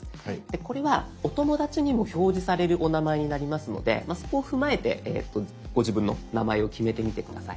これはお友だちにも表示されるお名前になりますのでそこを踏まえてご自分の名前を決めてみて下さい。